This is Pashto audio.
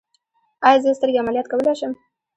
ایا زه سترګې عملیات کولی شم؟